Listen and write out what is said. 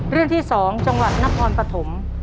เรื่องที่๒จังหวัดนครปฐม